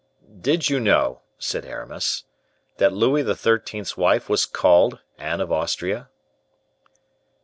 "Did you know," said Aramis, "that Louis XIII.'s wife was called Anne of Austria?"